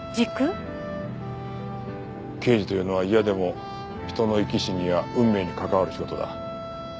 刑事というのは嫌でも人の生き死にや運命に関わる仕事だ。